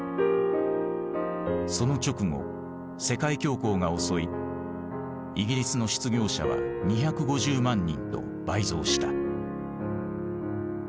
その直後世界恐慌が襲いイギリスの失業者は２５０万人と倍増した。